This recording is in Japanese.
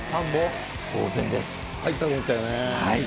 入ったと思ったよね。